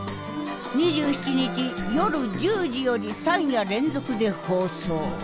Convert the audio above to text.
２７日夜１０時より３夜連続で放送。